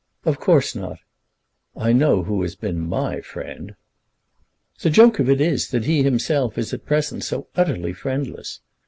"Of course not. I know who has been my friend." "The joke of it is, that he himself is at present so utterly friendless.